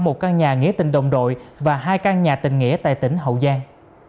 một căn nhà nghĩa tình đồng đội và hai căn nhà tình nghĩa tại tỉnh hậu giang